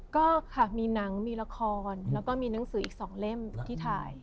ก็ค่ะมีหนังมีละครแล้วก็มีหนังสืออีก๒เล่มที่ถ่าย